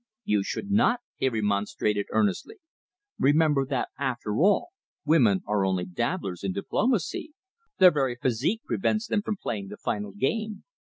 "You should not," he remonstrated earnestly. "Remember that, after all, women are only dabblers in diplomacy. Their very physique prevents them from playing the final game.